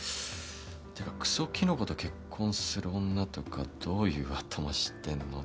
「てかクソキノコと結婚する女とかどういう頭してんの？」